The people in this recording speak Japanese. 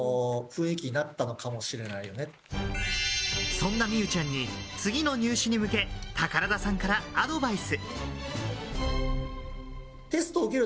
そんな美羽ちゃんに、次の入試に向け、宝田さんからアドバイス。